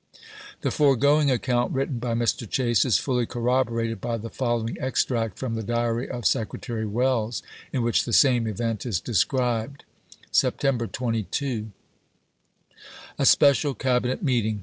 The foregoing account written by Mr. Chase is fully corroborated by the following extract from the diary of Secretary Welles, in which the same event is described: September 22. A special Cabinet meeting.